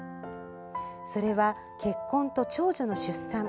それは、結婚と、長女の出産。